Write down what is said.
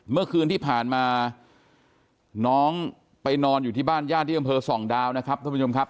เมื่อคืนที่ผ่านมาน้องไปนอนอยู่ที่บ้านญาติที่อำเภอส่องดาวนะครับท่านผู้ชมครับ